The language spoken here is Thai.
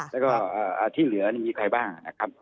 แล้วก็ที่เหลือนี่มีใครบ้างนะครับ